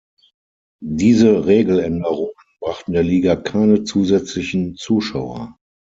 Diese Regeländerungen brachten der Liga keine zusätzlichen Zuschauer.